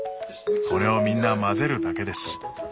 これをみんな混ぜるだけです。